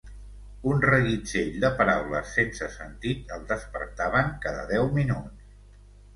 Un reguitzell de paraules sense sentit el despertaven cada deu minuts.